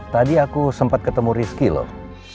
tadi aku sempat ketemu rizky loh